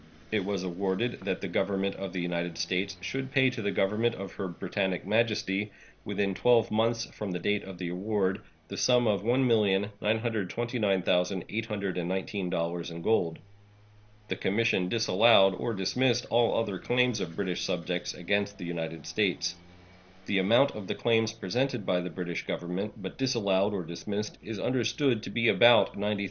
It was awarded that the Government of the United States should pay to the Government of Her Britannic Majesty, within twelve months from the date of the award, the sum of $1,929,819 in gold. The commission disallowed or dismissed all other claims of British subjects against the United States. The amount of the claims presented by the British Government, but disallowed or dismissed, is understood to be about $93,000,000.